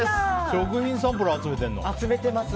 食品サンプル集めてるの？